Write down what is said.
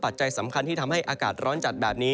จัยสำคัญที่ทำให้อากาศร้อนจัดแบบนี้